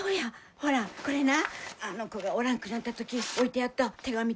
ほらこれなあの子がおらんくなった時置いてあった手紙とお金。